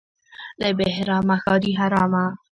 - له بهرامه ښادي حرامه.